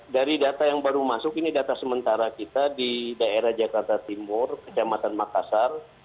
dari data yang baru masuk ini data sementara kita di daerah jakarta timur kecamatan makassar